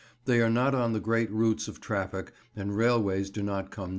They are not on the great routes of traffic, and railways do not come near them.